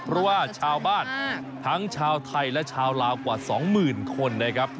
เพราะว่าชาวบ้านทั้งชาวไทยและชาวลาวกว่า๒๐๐๐คนนะครับ